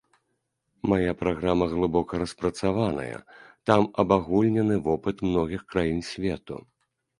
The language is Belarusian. Мая праграма глыбока распрацаваная, там абагульнены вопыт многіх краін свету.